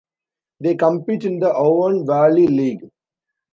They compete in the Avon valley league.